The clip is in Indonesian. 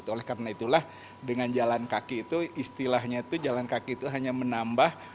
oleh karena itulah dengan jalan kaki itu istilahnya itu jalan kaki itu hanya menambah